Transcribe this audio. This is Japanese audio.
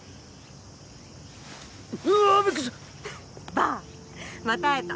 ばあ！また会えた。